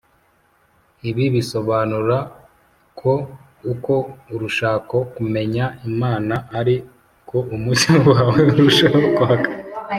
Ibi bisobanura ko uko urushaho kumenya imana ari ko umucyo wae urushaho kwaka